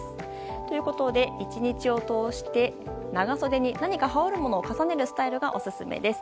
ということで、１日を通して長袖に何か羽織るものを重ねるスタイルがオススメです。